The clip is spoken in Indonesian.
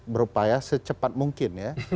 berupaya secepat mungkin ya